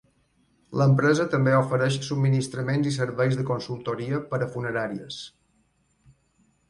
L'empresa també ofereix subministraments i serveis de consultoria per a funeràries.